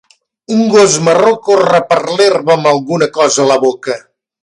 Un gos marró corre per l'herba amb alguna cosa a la boca